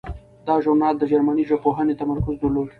دا ژورنال د جرمني ژبپوهنې تمرکز درلود.